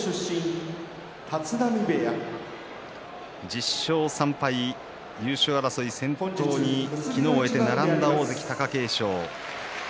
１０勝３敗、優勝争い先頭に昨日を終えて並んだ貴景勝。